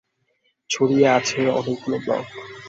ছড়িয়ে আছে অনেকগুলো ব্লক।